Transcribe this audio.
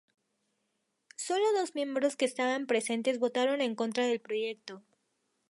Solo dos miembros que estaban presentes votaron en contra del proyecto.